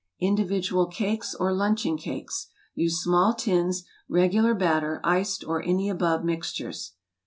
Individual Cakes or Luncheon Cakes Use small tins, regular batter, iced, or any above mixtures.